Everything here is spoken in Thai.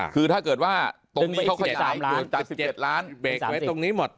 คือถ้าเกิดว่าตรงนี้เขาขยายตรงนี้๑๗ล้าน